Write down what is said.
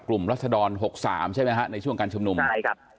กลุ่มรัฐดรณ๘๓ใช่มั้ยฮะในช่วงการชุมนุมใช่ครับ